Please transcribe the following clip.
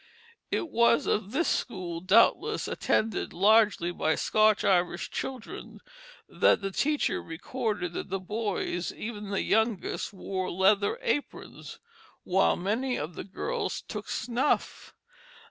It was of this school, doubtless attended largely by Scotch Irish children, that the teacher recorded that the boys, even the youngest, wore leather aprons, while many of the girls took snuff.